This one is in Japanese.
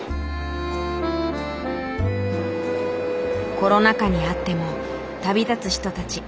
コロナ禍にあっても旅立つ人たち。